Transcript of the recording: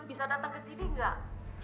bisa datang kesini gak